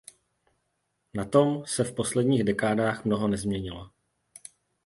Na tom se v posledních dekádách mnoho nezměnilo.